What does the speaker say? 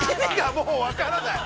◆もう分からない。